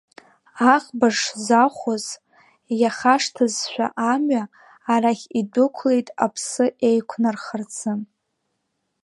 Аӷба шзахәоз, иахашҭызшәа амҩа, арахь идәықәлеит аԥсы еиқәнархарцы.